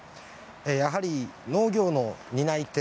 やはり農業の担い手